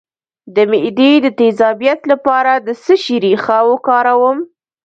د معدې د تیزابیت لپاره د څه شي ریښه وکاروم؟